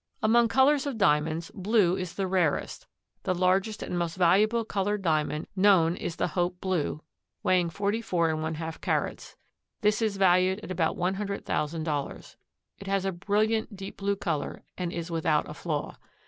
Among colors of Diamonds, blue is the rarest. The largest and most valuable colored Diamond known is the Hope Blue, weighing 44½ carats. This is valued at about one hundred thousand dollars. It has a brilliant deep blue color and is without a flaw.